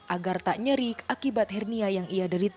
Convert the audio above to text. agar tak nyeri akibat hernia yang ia derita